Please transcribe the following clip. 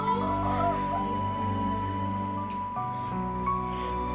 ibu senang banget